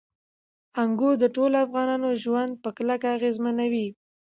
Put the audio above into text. انګور د ټولو افغانانو ژوند په کلکه اغېزمنوي.